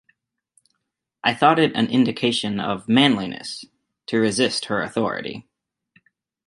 I thought it an indication of manliness to resist her authority